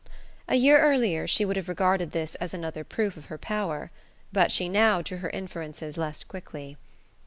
A year earlier she would have regarded this as another proof of her power; but she now drew her inferences less quickly.